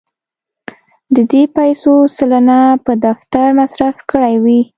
د دې پیسو سلنه په دفتر مصرف کړې وې.